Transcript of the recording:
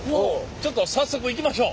ちょっと早速行きましょう。